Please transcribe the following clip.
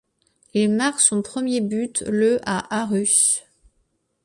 Il marque son premier but le à Aarhus.